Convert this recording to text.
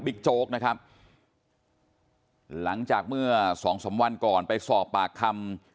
โจ๊กนะครับหลังจากเมื่อสองสามวันก่อนไปสอบปากคำ